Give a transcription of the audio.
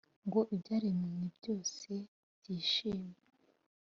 ngo ibyaremwe byose byishime?